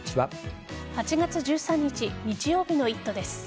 ８月１３日日曜日の「イット！」です。